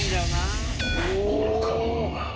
愚か者が。